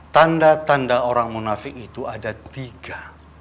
tanda tanda orang munafik itu ada tiga